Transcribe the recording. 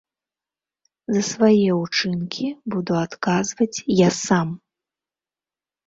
За свае ўчынкі буду адказваць я сам!